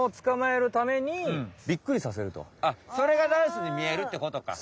いまのはそれがダンスにみえるってことか。